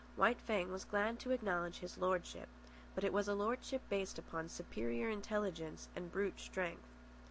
White Fang was glad to acknowledge his lordship, but it was a lordship based upon superior intelligence and brute strength.